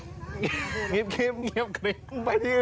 ร้านเล่าขาวไป